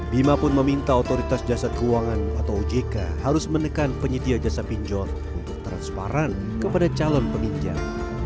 bima pun meminta otoritas jasa keuangan atau ojk harus menekan penyedia jasa pinjol untuk transparan kepada calon peminjam